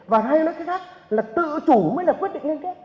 và hay nói cái khác là tự chủ mới là quyết định liên kết